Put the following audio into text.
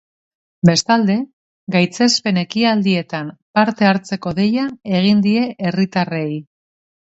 Bestalde, gaitzespen ekitaldietan parte hartzeko deia egin die herritarrei.